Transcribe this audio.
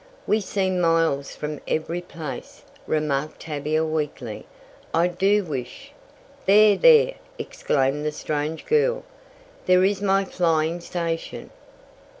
"We seem miles from every place," remarked Tavia weakly. "I do wish " "There! There!" exclaimed the strange girl. "There is my flying station!